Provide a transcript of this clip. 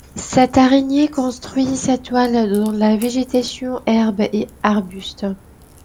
Cette araignée construit sa toile dans la végétation, herbes et arbustes.